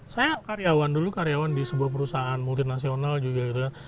saya karyawan dulu karyawan di sebuah perusahaan multinasional juga gitu kan